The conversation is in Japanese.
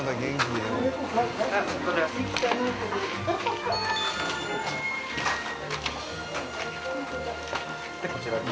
でこちらに。